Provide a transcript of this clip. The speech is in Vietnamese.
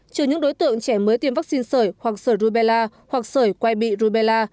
trừ những đối tượng trẻ mới tiêm vaccine sởi hoặc sởi rubella hoặc sởi quay bị rubella